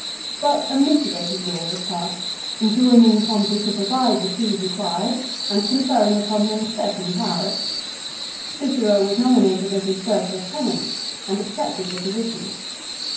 But a mitigated law was passed enjoining Pompey to provide the food required, and conferring upon him certain powers. Cicero was nomi nated as his first lieutenant, and accepted the position.